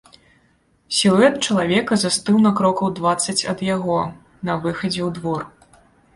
Сілуэт чалавека застыў на крокаў дваццаць ад яго, на выхадзе ў двор.